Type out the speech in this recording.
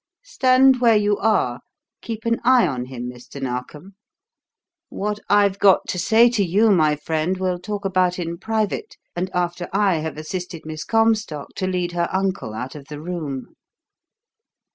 Stand where you are keep an eye on him, Mr. Narkom. What I've got to say to you, my friend, we'll talk about in private, and after I have assisted Miss Comstock to lead her uncle out of the room."